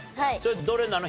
どれなの？